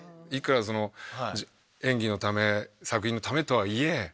いくらその演技のため作品のためとはいえ。